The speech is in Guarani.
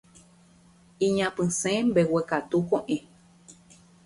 Iñapysẽ mbeguekatu koʼẽ.